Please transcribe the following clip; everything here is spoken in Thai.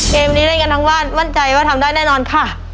เกมนี้เล่นกันทั้งบ้านมั่นใจว่าทำได้แน่นอนค่ะ